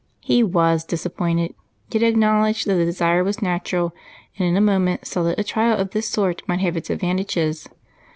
He was disappointed, yet acknowledged that the desire was natural and in a moment saw that a trial of this sort might have its advantages.